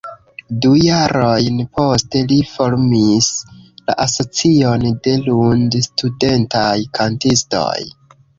Du jarojn poste li formis la Asocion de Lund-Studentaj Kantistoj.